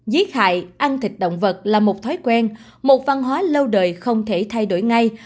giết hại ăn thịt động vật là một thói quen một văn hóa lâu đời không thể thay đổi ngay